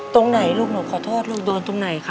ตรงไหนลูกหนูขอโทษลูกโดนตรงไหนคะ